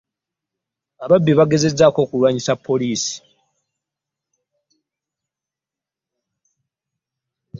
Ababbi bagezezzaako okulwanyisa poliisi.